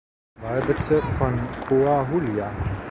Wahlbezirk von Coahuila.